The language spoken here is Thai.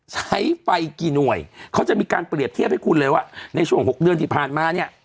ใช้ไฟกี่หน่วยเขาจะมีการเปรียบเทียบให้คุณเลยว่าในช่วง๖เดือนที่ผ่านมาเนี่ย